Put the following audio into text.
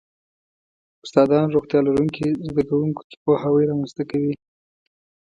استادان روغتیا لرونکو زده کوونکو کې پوهاوی رامنځته کوي.